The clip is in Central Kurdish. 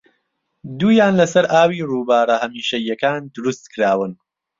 دوویان لەسەر ئاوی رووبارە هەمیشەییەکان دروستکراون